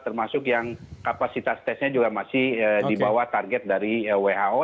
termasuk yang kapasitas tesnya juga masih di bawah target dari who